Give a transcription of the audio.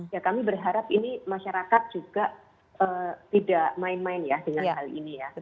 ya kami berharap ini masyarakat juga tidak main main ya dengan hal ini ya